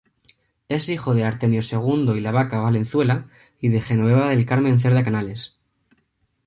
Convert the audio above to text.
Es hijo de Artemio Segundo Ilabaca Valenzuela y de Genoveva del Carmen Cerda Canales.